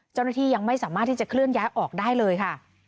เจ้าหน้าที่ยังไม่สามารถที่จะเคลื่อนย้ายออกได้เลยค่ะ